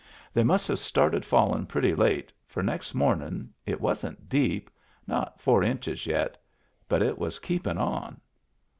They must have started fallin* pretty late, for next momin* it wasn't deep, not four inches yet, but it was keepin* on.